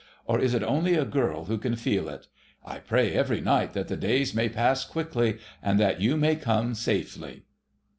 Or is it only a girl who can feel it? ... I pray every night that the days may pass quickly, and that you may come safely."